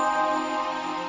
kau bisa friendships kita semua